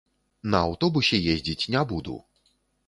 На аўтобусе ездзіць не буду!